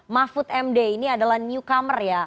mahfud md ini adalah newcomer ya